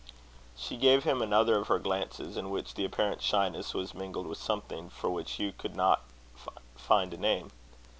She gave him another of her glances, in which the apparent shyness was mingled with something for which Hugh could not find a name.